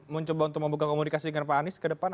mencoba untuk membuka komunikasi dengan pak anies ke depan